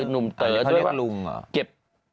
นุ่มเตอร์ดด้วยว่าเก็บ